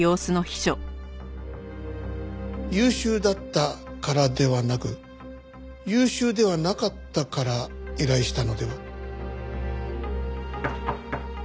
優秀だったからではなく優秀ではなかったから依頼したのでは？